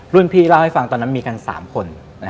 รุ่นพี่เล่าให้ฟังตอนนั้นมีกันสามคน